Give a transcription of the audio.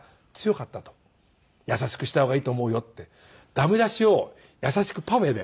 駄目出しを優しくパフェで。